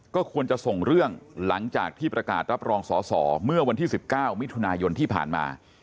ก็ควรจะส่งเรื่องหลังจากที่ประกาศรับรองสอสอเมื่อวันที่๑๙มิถุนายนที่ผ่านมา